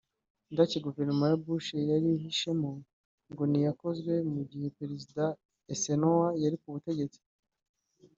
Indake gouvernement ya Bush yarihishemo ngo ni iyakozwe mu gihe perezida Eisenhower yari kubutegetsi